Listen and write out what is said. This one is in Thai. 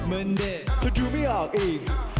เหมือนเด็ดแต่ดูไม่หากอีก